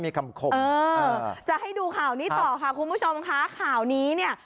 มีคำคมจะให้ดูข่าวนี้ต่อค่ะคุณผู้ชมค่ะข่าวนี้เนี่ย